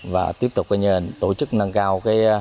và tiếp tục tổ chức nâng cao